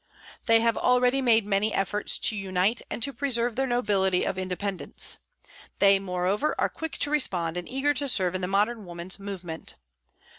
They have already made many efforts to unite and to preserve their nobility of independence. They, moreover, are quick to respond and eager to serve the modern women's movement.